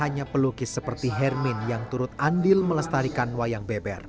hanya pelukis seperti hermin yang turut andil melestarikan wayang beber